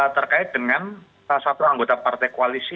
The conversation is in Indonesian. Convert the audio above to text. terkait dengan salah satu anggota partai koalisi